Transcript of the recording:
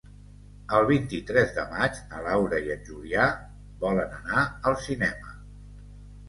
El vint-i-tres de maig na Laura i en Julià volen anar al cinema.